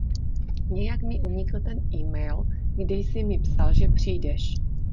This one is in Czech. Nějak mi unikl ten email, kde jsi mi psal, že přijdeš.